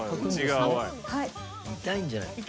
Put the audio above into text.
痛いんじゃない？